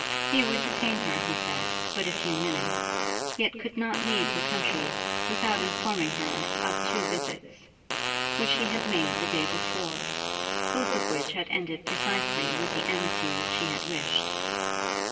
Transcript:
He would detain her, he said, but a few minutes; yet could not leave the country, without informing her of two visits, which he had made the day before: both of which had ended precisely with the amity that she had wished.